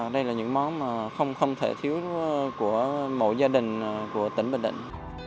đây là những món mà không thể thiếu của mỗi gia đình của tỉnh bình định